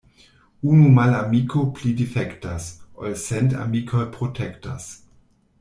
Unu malamiko pli difektas, ol cent amikoj protektas.